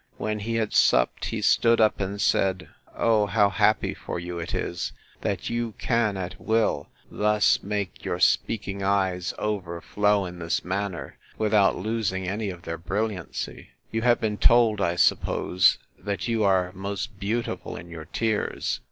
When he had supped, he stood up, and said, O how happy for you it is, that you can, at will, thus make your speaking eyes overflow in this manner, without losing any of their brilliancy! You have been told, I suppose, that you are most beautiful in your tears!